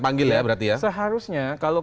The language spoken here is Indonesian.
panggil ya berarti ya seharusnya kalau